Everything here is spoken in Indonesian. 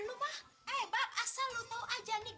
lo mah eh bab asal lo tau aja nih